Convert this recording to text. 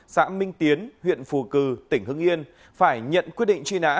xã minh tiến huyện phù cử tỉnh hưng yên phải nhận quyết định truy nã